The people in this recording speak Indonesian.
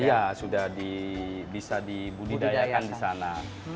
iya sudah bisa dibudidayakan di sana